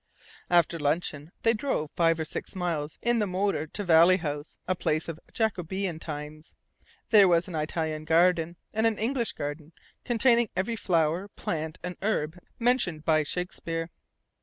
After luncheon they drove five or six miles in the motor to Valley House, a place of Jacobean times. There was an Italian garden, and an English garden containing every flower, plant, and herb mentioned by Shakespeare.